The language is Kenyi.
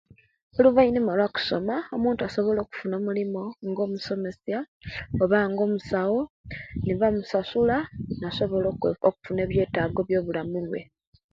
Oluvaanyuma lwo'kusoma omuntu asobola okufuna omulimu, nga omusomesya, oba nga omusawo, ne bamusasula, na'basobola okufuna ebiyetaago ebyobulamu we.